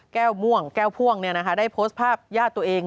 แก้วม่วงแก้วพ่วงนี่นะคะได้โพสต์ภาพย่าตัวเอง